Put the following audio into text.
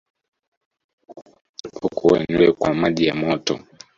Epuka kuosha nywele kwa maji ya moto